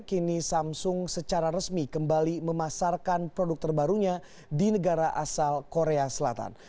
kini samsung secara resmi kembali memasarkan produk terbarunya di negara asal korea selatan